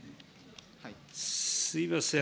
すみません。